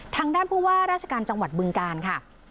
ทางด้านผู้ว่าราชการจังหวัดบึงการค่ะ